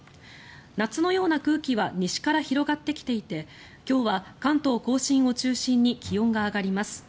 夏のような空気は西から広がってきていて今日は関東・甲信を中心に気温が上がります。